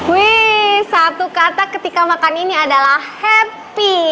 wih satu kata ketika makan ini adalah happy